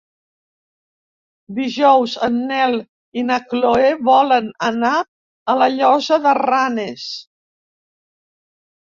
Dijous en Nel i na Chloé volen anar a la Llosa de Ranes.